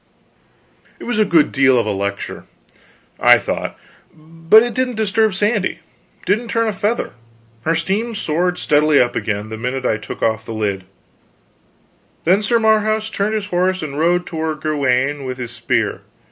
It was a good deal of a lecture, I thought, but it didn't disturb Sandy, didn't turn a feather; her steam soared steadily up again, the minute I took off the lid: "Then Sir Marhaus turned his horse and rode toward Gawaine with his spear.